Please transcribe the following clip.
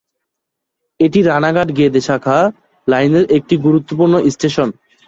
এটি রানাঘাট-গেদে শাখা লাইনের একটি গুরুত্বপূর্ণ স্টেশন।